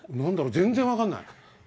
全然分かんない。